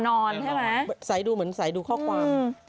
ต้องขอความ